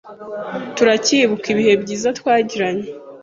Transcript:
turacyibuka ibihe byiza twagiranye